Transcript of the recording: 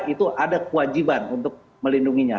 itu ada kewajiban untuk melindunginya